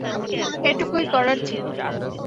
এটুকুই করার ছিল।